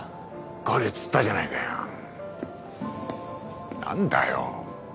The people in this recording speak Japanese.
帰れっつったじゃないかよ何だよ？